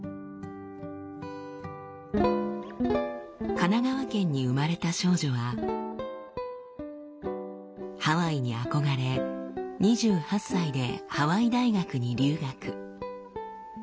神奈川県に生まれた少女はハワイに憧れ２８歳でハワイ大学に留学。